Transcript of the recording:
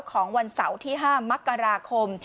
ของวันเสาร์ที่๕มกราคม